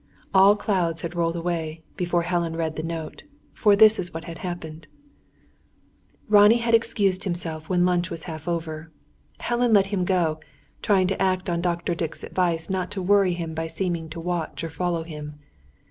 All clouds had rolled away, before Helen read the note; for this is what had happened. Ronnie had excused himself when lunch was half over. Helen let him go, trying to act on Dr. Dick's advice not to worry him by seeming to watch or follow him.